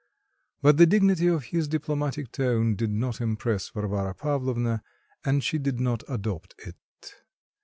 But the dignity of his diplomatic tone did not impress Varvara Pavlovna, and she did not adopt it.